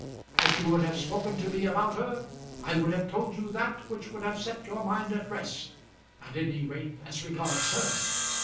If you would have spoken to me about her, I would have told you that which would have set your mind at rest, at any rate as regards her.